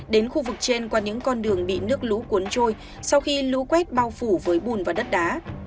đến khu vực trên qua những con đường bị nước lũ cuốn trôi sau khi lũ quét bao phủ với bùn và đất đá